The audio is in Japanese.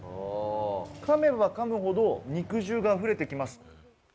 噛めば噛むほど、肉汁が溢れてきます。